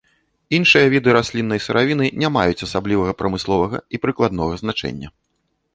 Іншыя віды расліннай сыравіны не маюць асаблівага прамысловага і прыкладнога значэння.